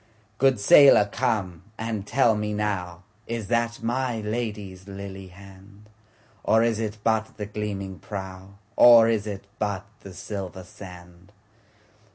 Good sailor come and tell me nowIs that my Lady's lily hand? Or is it but the gleaming prow, Or is it but the silver sand?